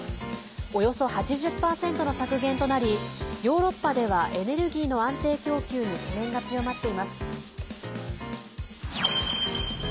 およそ８０％の削減となりヨーロッパではエネルギーの安定供給に懸念が強まっています。